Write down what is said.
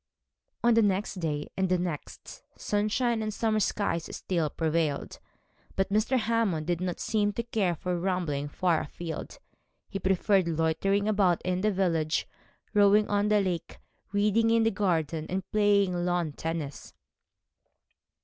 On the next day, and the next, sunshine and summer skies still prevailed; but Mr. Hammond did not seem to care for rambling far afield. He preferred loitering about in the village, rowing on the lake, reading in the garden, and playing lawn tennis.